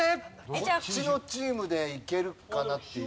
こっちのチームでいけるかなっていう。